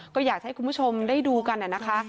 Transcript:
ก็อยากให้คุณผู้ชมได้ดูกันนะคะ